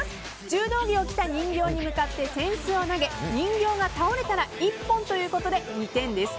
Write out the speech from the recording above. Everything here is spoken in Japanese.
柔道着を着た人形に向かって扇子を投げ、人形が倒れたら一本ということで２点です。